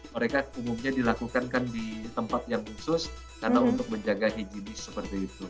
mereka umumnya dilakukan kan di tempat yang khusus karena untuk menjaga higienis seperti itu